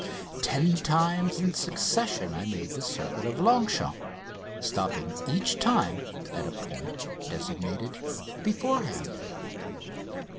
Ten times in succession I made the circuit of Longchamps, stopping each time at a point designed beforehand.